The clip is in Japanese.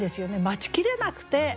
待ちきれなくて。